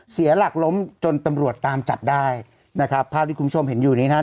เสียหลักล้มจนตำรวจตามจับได้นะครับภาพที่คุณผู้ชมเห็นอยู่นี้นะฮะ